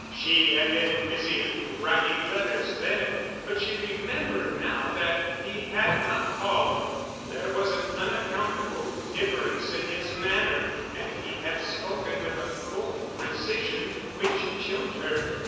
She had been busy writing letters then, but she remembered now that he had not called. There was an unaccountable difference in his manner, and he had spoken with a cold precision which chilled her.